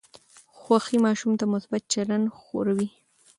خوښي ماشوم ته مثبت چلند ښووي.